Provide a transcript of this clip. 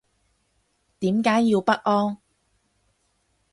點解要不安